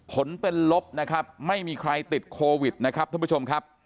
ผลเป็นลบนะครับไม่มีใครติดโควิดนะครับท่านผู้ชมครับ